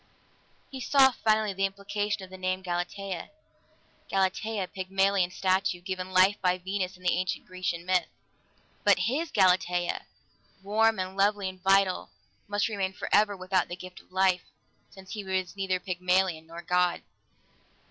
He saw finally the implication of the name Galatea. Galatea Pygmalion's statue, given life by Venus in the ancient Grecian myth. But his Galatea, warm and lovely and vital, must remain forever without the gift of life, since he was neither Pygmalion nor God.